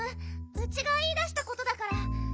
ウチがいいだしたことだから。